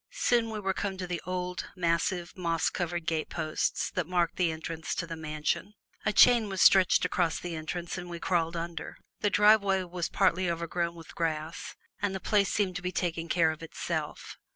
Soon we came to the old, massive, moss covered gateposts that marked the entrance to the mansion. A chain was stretched across the entrance and we crawled under. The driveway was partly overgrown with grass, and the place seemed to be taking care of itself.